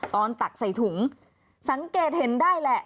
ตักใส่ถุงสังเกตเห็นได้แหละ